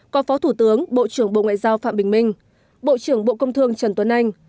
có phó thủ tướng bộ trưởng bộ ngoại giao phạm bình minh bộ trưởng bộ công thương trần tuấn anh